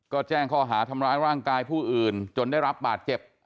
ก็แจ้งข้อหาทำร้ายร่างกายผู้อื่นจนได้รับบาดเจ็บ